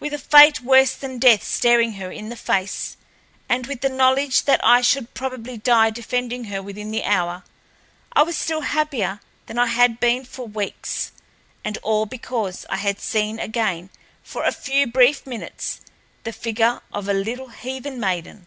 With a fate worse than death staring her in the face, and with the knowledge that I should probably die defending her within the hour, I was still happier than I had been for weeks—and all because I had seen again for a few brief minutes the figure of a little heathen maiden.